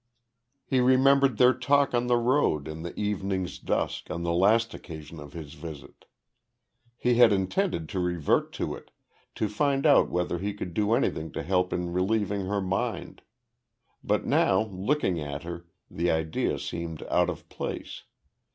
He remembered their talk on the road in the evening's dusk, on the last occasion of his visit. He had intended to revert to it, to find out whether he could do anything to help in relieving her mind. But now, looking at her, the idea seemed out of place.